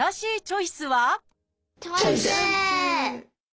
チョイス！